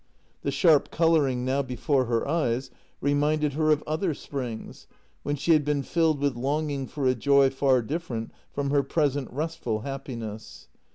The sharp colouring now before her eyes reminded her of other springs, when she had been filled with longing for a joy far different from her present restful happiness.